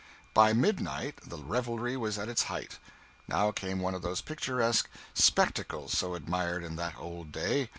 By midnight the revelry was at its height. Now came one of those picturesque spectacles so admired in that old day.